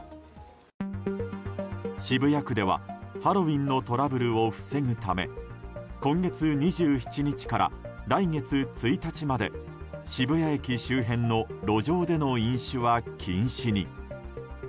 渋谷区では、ハロウィーンのトラブルを防ぐため今月２７日から来月１日まで渋谷駅周辺の路上での飲酒は禁止に。